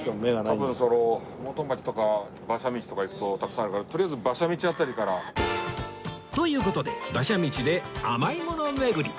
多分元町とか馬車道とか行くとたくさんあるからという事で馬車道で甘いもの巡り